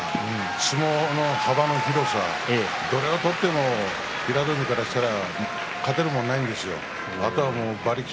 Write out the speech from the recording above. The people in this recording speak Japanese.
相撲の幅の広さ、どれを取っても平戸海をからしたら勝てるものはないんですよ。